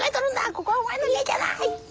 ここはお前の家じゃない！